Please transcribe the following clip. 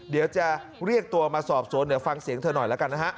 เดี๋ยวจะเรียกตัวมาสอบสวนเดี๋ยวฟังเสียงเธอหน่อยแล้วกันนะฮะ